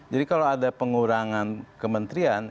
jadi kalau ada pengurangan kementrian